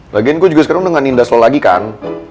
lagian gue juga sekarang udah nggak nindas lo lagi kan